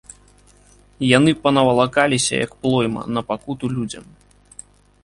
Яны панавалакаліся, як плойма, на пакуту людзям.